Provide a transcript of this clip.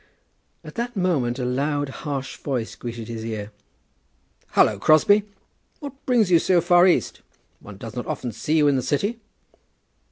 At that moment a loud, harsh voice greeted his ear. "Hallo, Crosbie, what brings you so far east? One does not often see you in the City."